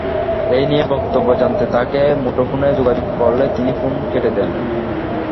এ নিয়ে বক্তব্য জানতে তাঁকে মুঠোফোনে যোগাযোগ করলে তিনি ফোন কেটে দেন।